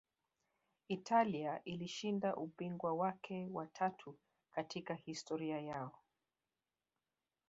italia ilishinda ubingwa wake wa tatu katika historia yao